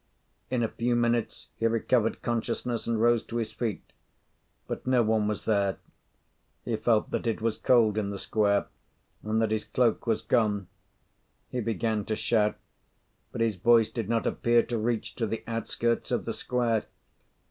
In a few minutes he recovered consciousness and rose to his feet; but no one was there. He felt that it was cold in the square, and that his cloak was gone; he began to shout, but his voice did not appear to reach to the outskirts of the square.